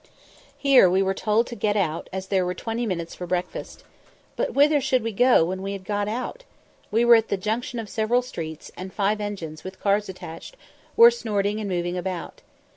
Here we were told to get out, as there were twenty minutes for breakfast. But whither should we go when we had got out? We were at the junction of several streets, and five engines, with cars attached, were snorting and moving about.